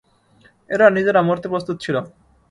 এরা নিজেরা মরতে প্রস্তুত ছিল।